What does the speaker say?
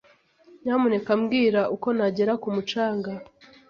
Nyamuneka mbwira uko nagera ku mucanga.